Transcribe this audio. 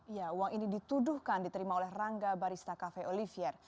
iya uang ini dituduhkan diterima oleh rangga barista cafe olivier